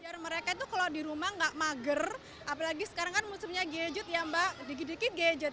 biar mereka itu kalau di rumah nggak mager apalagi sekarang kan musimnya gadget ya mbak dikit dikit gadget